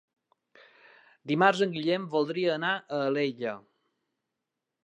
Dimarts en Guillem voldria anar a Alella.